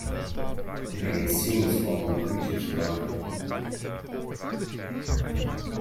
He begins seeing small blue creatures around him.